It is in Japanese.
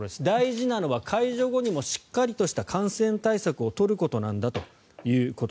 大事なのは解除後にもしっかりとした感染対策を取ることなんだと。